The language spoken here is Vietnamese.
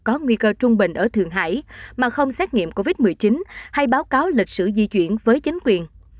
có nguy cơ trung bình ở thượng hải mà không xét nghiệm covid một mươi chín hay báo cáo lịch sử di chuyển với chính quyền